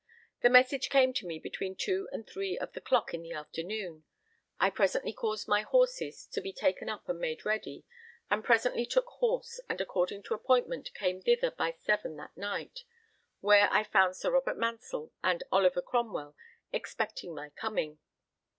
The message came to me between 2 and 3 [of the] clock in the afternoon. I presently caused my horses to be taken up and made ready, and presently took horse and according to appointment came thither by seven that night, where I found Sir Robert Mansell and Sir Oliver Cromwell expecting my coming.